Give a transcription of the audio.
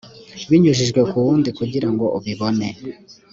binyujijwe ku wundi kugirango ubibone